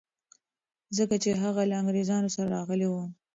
ځکه چي هغه له انګریزانو سره راغلی و.